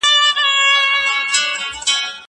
زه به سبا اوبه وڅښم!؟